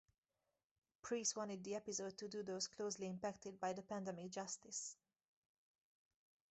Preece wanted the episode to do those closely impacted by the pandemic justice.